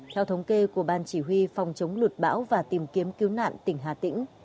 theo thống kê của ban chỉ huy phòng chống lụt bão và tìm kiếm cứu nạn tỉnh hà tĩnh